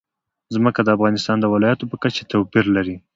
ځمکه د افغانستان د ولایاتو په کچه توپیر لري.